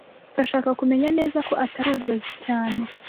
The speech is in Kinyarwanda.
Turashaka kumenya neza ko atari uburozi cyane